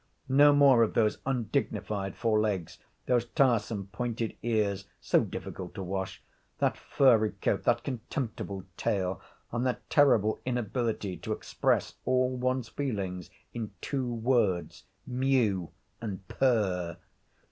No more of those undignified four legs, those tiresome pointed ears, so difficult to wash, that furry coat, that contemptible tail, and that terrible inability to express all one's feelings in two words 'mew' and 'purr.'